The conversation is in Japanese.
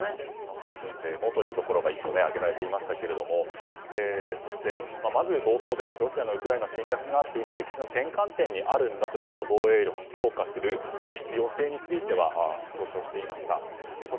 法人税もというところが１つ挙げられていましたがそして、まず冒頭でロシアのウクライナ侵略があって今、歴史の転換点にあるんだということで防衛力を強化する必要性について強調していました。